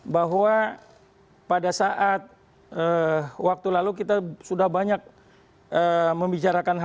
bahwa pada saat waktu lalu kita sudah banyak membicarakan hal hal